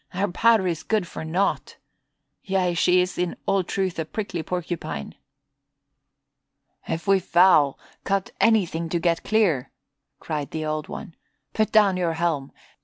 "Our powder is good for nought. Yea, she is in all truth a prickly porcupine." "If we foul, cut anything to get clear!" cried the Old One. "Put down your helm!